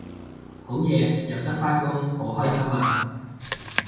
好嘢有得返工好開心啊！